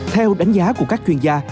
theo đánh giá của các chuyên gia